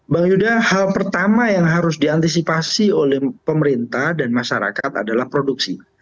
bang yuda hal pertama yang harus diantisipasi oleh pemerintah dan masyarakat adalah produksi